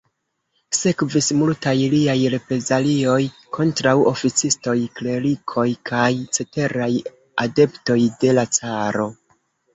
Sekvis multaj liaj reprezalioj kontraŭ oficistoj, klerikoj kaj ceteraj adeptoj de la caro.